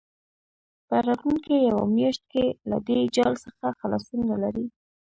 په راتلونکې یوه میاشت کې له دې جال څخه خلاصون نه لري.